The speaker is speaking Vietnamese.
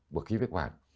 bởi khi phế khoảng